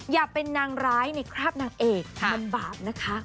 อย่าเป็นนางร้ายในคราบนางเอกมันบาปนะคะ